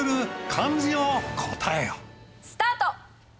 スタート！